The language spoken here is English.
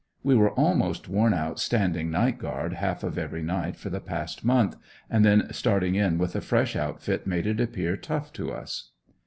We were almost worn out standing night guard half of every night for the past month and then starting in with a fresh outfit made it appear tough to us.